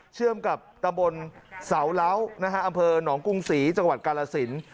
เชื่อมกับตำบลเสาเล้านะฮะอำเภอหนองกรุงศรีจังหวัดกาลสิน